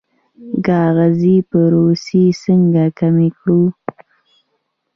کاغذي پروسې څنګه کمې کړو؟